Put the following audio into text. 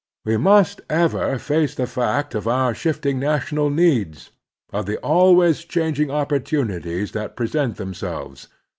We must ever face the fact of our shifting national needs, of the always changing opportunities that present themselves.